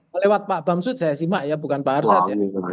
melewat pak bamsud saya simak ya bukan pak arsat ya